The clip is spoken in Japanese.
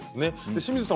清水さん